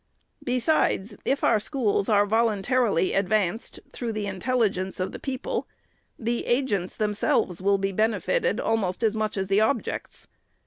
Besides, if our schools are voluntarily advanced, through the intel ligence of the people, the agents themselves will be bene fited almost as much as the objects.